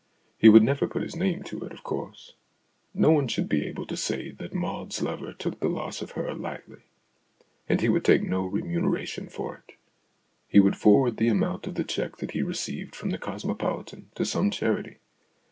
He would never put his name to it, of course. No one should be able to say that Maud's lover took the loss of her lightly. And he would take no remuneration for it. He would forward the amount of the cheque that he received from The Cosmopolitan to some charity.